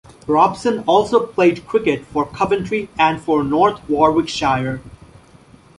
Robson also played cricket for Coventry and for North Warwickshire.